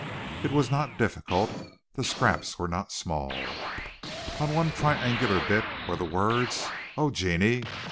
It was not difficult; the scraps were not small. On one triangular bit were the words, "Oh, Genie!"